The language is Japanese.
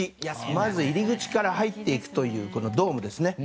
まず入り口から入っていくというこのドームですね。